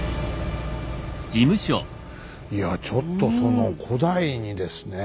いやちょっとその古代にですね